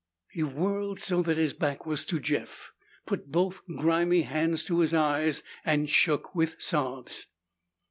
He whirled so that his back was to Jeff, put both grimy hands to his eyes, and shook with sobs.